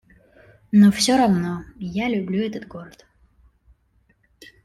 Но все равно, я люблю этот город.